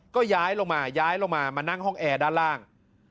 ก็ย้ายลงมาย้ายลงมามานั่งห้องแอร์ด้านล่าง